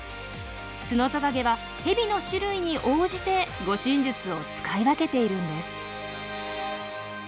ツノトカゲはヘビの種類に応じて護身術を使い分けているんです。